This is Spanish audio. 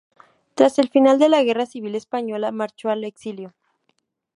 Tras el final de la Guerra civil española marchó al exilio.